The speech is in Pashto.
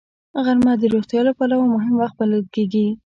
غرمه د روغتیا له پلوه مهم وخت بلل کېږي